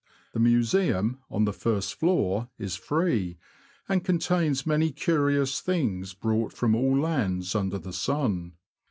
The Museum, on the first floor, is free, and contains many curious things, brought from all lands under the sun.